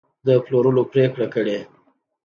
د پلورلو پرېکړه کړې